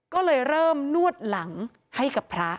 ก็เลยเริ่มนวดหลังให้กับพระ